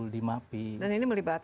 di mapi dan ini melibatkan